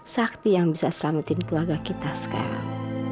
sakti yang bisa selamatin keluarga kita sekarang